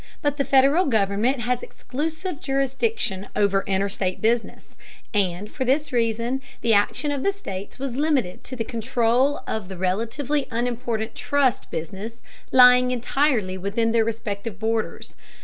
But the Federal government has exclusive jurisdiction over interstate business, and for this reason the action of the states was limited to the control of the relatively unimportant trust business lying entirely within their respective borders.